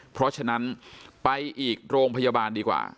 เพราะฉะนั้นไปอีกโรงพยาบาลดีกว่า